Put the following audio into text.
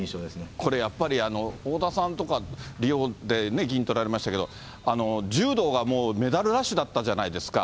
これやっぱり、太田さんとか、リオで銀とられましたけど、柔道がもう、メダルラッシュだったじゃないですか。